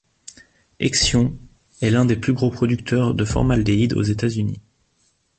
Hexion est l'un des plus gros producteurs de formaldéhyde aux Etats-Unis.